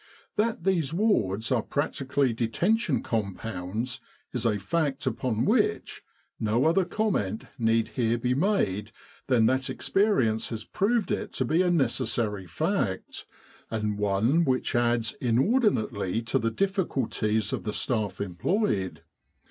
That these wards are practically detention compounds is a fact upon which no other comment need here be made than that experience has proved it to be a necessary fact, and one which adds inordinately to the difficulties of the staff employed.